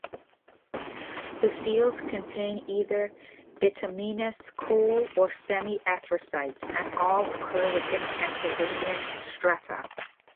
The fields contain either bituminous coal or semi-anthracite, and all occur within Pennsylvanian strata.